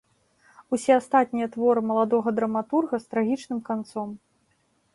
Усе астатнія творы маладога драматурга з трагічным канцом.